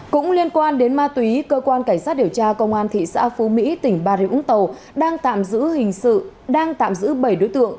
cũng liên quan đến ma túy cơ quan cảnh sát điều tra công an thị xã phú mỹ tỉnh bà rịu úng tàu đang tạm giữ bảy đối tượng